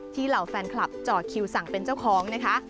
เหล่าแฟนคลับเจาะคิวสั่งเป็นเจ้าของนะคะ